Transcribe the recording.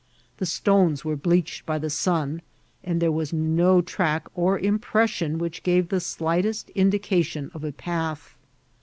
The stones were bleached bj the sun, and there was no track or impression which gave the slightest in* dication of a path.